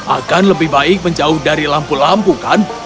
akan lebih baik menjauh dari lampu lampu kan